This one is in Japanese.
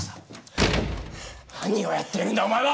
何をやっているんだお前は！？